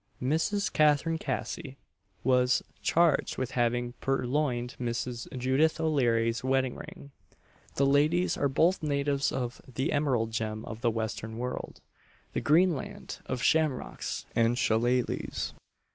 Mrs. Catherine Casey was charged with having purloined Mrs. Judith O'Leary's wedding ring. The ladies are both natives of "the Emerald gem of the western world" the green land of shamrocks and shilelaghs.